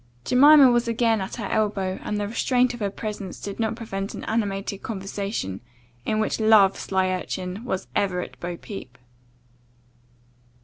Jemima was again at her elbow, and the restraint of her presence did not prevent an animated conversation, in which love, sly urchin, was ever at bo peep.